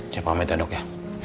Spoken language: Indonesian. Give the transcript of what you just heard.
cek pamit ya dok ya